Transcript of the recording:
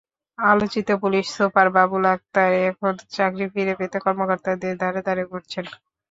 আলোচিত police super Babul Akhtar এখন চাকরি ফিরে পেতে কর্মকর্তাদের দ্বারে দ্বারে ঘুরছেন।